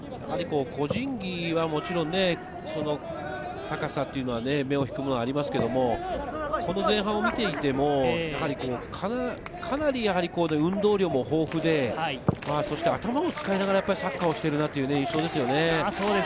個人技はもちろん、高さというのは目を引くものがありますけど、前半を見ていても、かなり運動量も豊富で頭も使いながらサッカーをしているなという印象ですね。